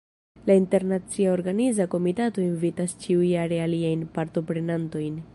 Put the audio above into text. La internacia organiza komitato invitas ĉiujare aliajn partoprenantojn.